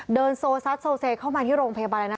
โซซัดโซเซเข้ามาที่โรงพยาบาลแล้วนะคะ